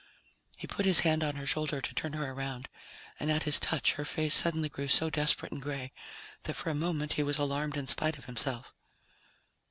He put his hand on her shoulder to turn her around, and at his touch her face suddenly grew so desperate and gray that for a moment he was alarmed in spite of himself.